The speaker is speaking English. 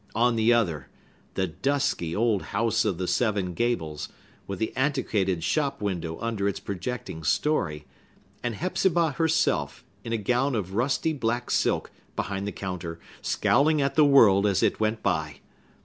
On the other, the dusky old House of the Seven Gables, with the antiquated shop window under its projecting story, and Hepzibah herself, in a gown of rusty black silk, behind the counter, scowling at the world as it went by!